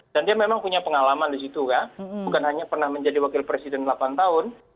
dan dia memang punya pengalaman di situ ya bukan hanya pernah menjadi wakil presiden delapan tahun